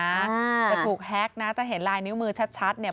จะถูกแฮ็กนะถ้าเห็นลายนิ้วมือชัดเนี่ย